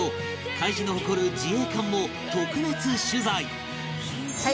海自の誇る自衛艦も特別取材